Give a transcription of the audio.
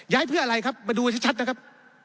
ย้ายเพื่ออะไรครับมาดูชัดนะครับ